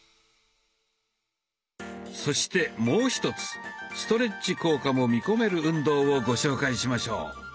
そしてもう一つストレッチ効果も見込める運動をご紹介しましょう。